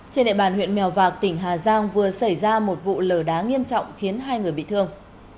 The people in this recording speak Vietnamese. trên địa bàn huyện mèo vạc tỉnh hà giang vừa xảy ra một vụ lở đá nghiêm trọng khiến hai người bị thương